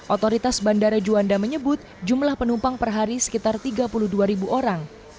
otoritas bandara juanda menyebut jumlah penumpang per hari sekitar tiga puluh dua orang